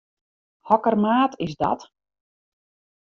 Hokker maat is dat?